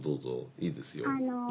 いいですよ。